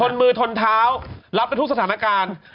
นมือทนเท้ารับไปทุกสถานการณ์